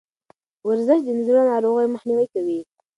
ورزش د زړه د ناروغیو مخنیوی کوي.